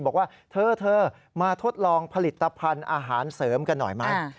บอกว่าเธอมาทดลองผลิตภัณฑ์อาหารเสริมกันหน่อยไหม